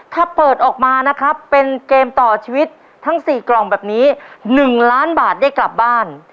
ถ้าเปิดออกมานะครับเป็นเกมต่อชีวิตทั้ง๔กล่องแบบนี้๑ล้านบาทได้กลับบ้าน